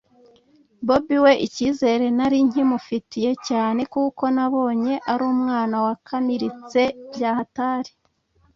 bobi we icyizere narinkimufiye cyane kuko nabonye arumwana wakamiritse byahatari